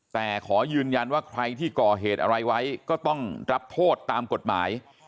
แต่ขอยืนยันว่าใครที่ก่อเหตุอะไรไว้ก็ต้องรับโทษตามกฎหมาย